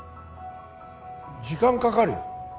時間かかるよ